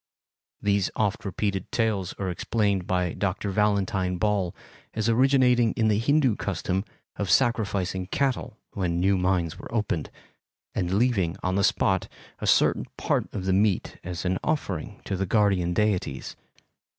These oft repeated tales are explained by Dr. Valentine Ball as originating in the Hindu custom of sacrificing cattle when new mines were opened, and leaving on the spot a certain part of the meat as an offering to the guardian deities.